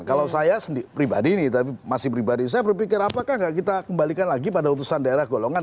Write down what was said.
kalau saya pribadi nih tapi masih pribadi saya berpikir apakah nggak kita kembalikan lagi pada utusan daerah golongan